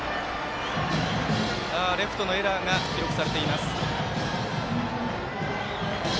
レフトのエラーが記録されています。